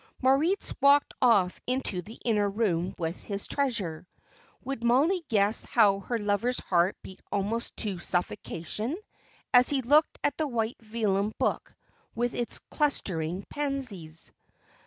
Moritz walked off into the inner room with his treasure. Would Mollie guess how her lover's heart beat almost to suffocation as he looked at the white vellum book with its clustering pansies?